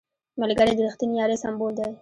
ملګری د رښتینې یارۍ سمبول دی